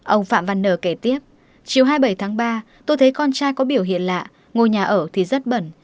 ông phạm văn nở kể tiếp chiều hai mươi bảy tháng ba tôi thấy con trai có biểu hiện lạ ngôi nhà ở thì rất bẩn